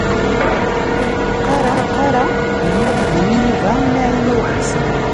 Ur ilaq ara ad yini Yuba i Naɛima u Ḥsen.